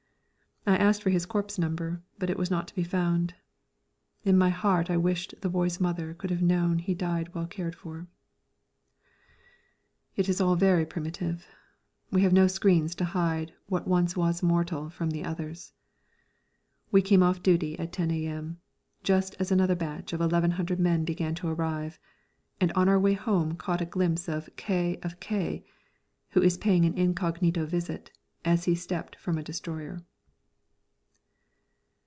I asked for his corpse number, but it was not to be found. In my heart I wished the boy's mother could have known he died well cared for. It is all very primitive; we have no screens to hide what once was mortal from the others. We came off duty at 10 A.M., just as another batch of 1,100 men began to arrive, and on our way home caught a glimpse of K. of K., who is paying an incognito visit, as he stepped from a destroyer.